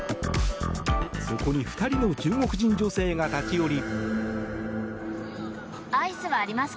そこに２人の中国人女性が立ち寄り。